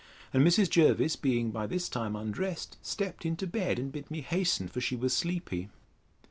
And Mrs. Jervis being by this time undressed, stepped into bed, and bid me hasten, for she was sleepy.